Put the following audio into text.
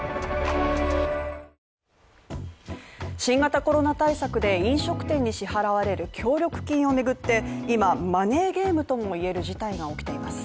新型コロナ対策で飲食店に支払われる協力金を巡って今マネーゲームともいえる事態が起きています